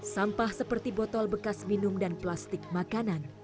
sampah seperti botol bekas minum dan plastik makanan